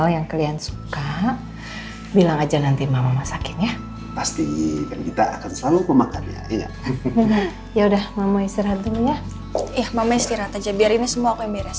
ya udah mama istirahat aja biar ini semua